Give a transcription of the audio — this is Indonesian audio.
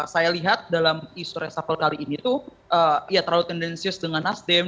saya lihat dalam isu resapel kali ini itu terlalu tendensius dengan nasdem